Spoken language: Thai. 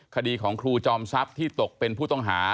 คดีของครูจอมทรัพย์ที่ตกเป็นผู้ต้องหา